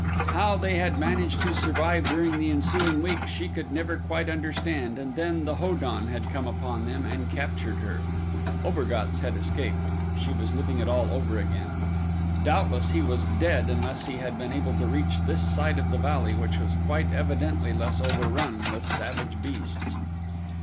How they had managed to survive during the ensuing week she could never quite understand, and then the Ho don had come upon them and captured her. Obergatz had escaped she was living it all over again. Doubtless he was dead unless he had been able to reach this side of the valley which was quite evidently less overrun with savage beasts.